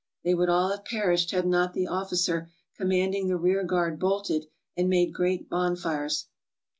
They would all have perished had not the officer commanding the rear guard bolted, and made great bonfires.